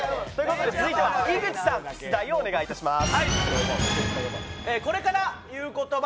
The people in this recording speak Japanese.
続いては、井口さん、出題をお願いします。